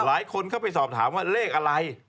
หลายคนเข้าไปสอบถามว่าเลขอะไร